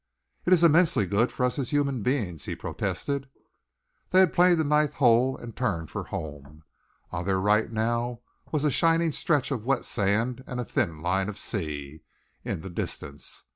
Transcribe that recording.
"It is immensely good for us as human beings," he protested. They had played the ninth hole and turned for home. On their right now was a shimmering stretch of wet sand and a thin line of sea, in the distance.